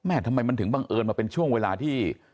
ทำไมมันถึงบังเอิญมาเป็นช่วงเวลาที่